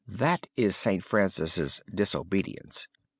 That is St. Francis' 'disobedience.'"